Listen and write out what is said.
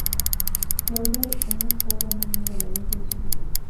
Claudel en esta obra no niega la herencia de su maestro.